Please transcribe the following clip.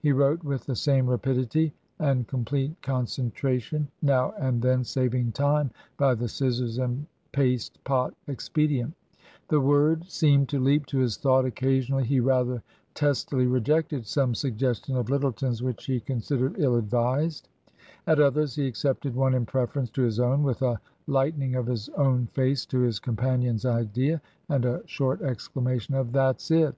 He wrote with the same rapidity and complete concentration, now and then saving time by the scissors and paste pot expedient ; the word seemed to leap to his thought, occasionally he rather testily rejected some suggestion of Lyttleton's / 14* i62 TRANSITION. which he considered ill advised, at others he accepted one in preference to his own with a lightening of his whole face to his companion's idea, and a short exclama tion of " That's it